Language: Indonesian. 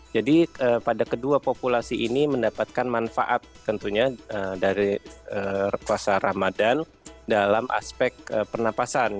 jadi pada kedua populasi ini mendapatkan manfaat tentunya dari puasa ramadan dalam aspek pernapasan